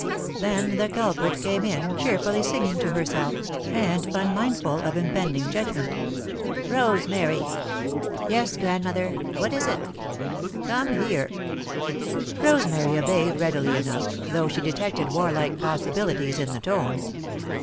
Then the culprit came in, cheerfully singing to herself, and unmindful of impending judgment. "Rosemary!" "Yes, Grandmother. What is it?" "Come here!" [Sidenote: Grandmother chides Rosemary] Rosemary obeyed readily enough, though she detected warlike possibilities in the tone.